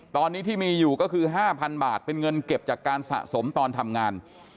ตอนนี้ที่มีอยู่ก็คือ๕๐๐บาทเป็นเงินเก็บจากการสะสมตอนทำงาน